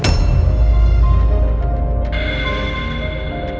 kamu tenang dulu